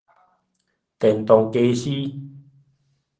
電動家私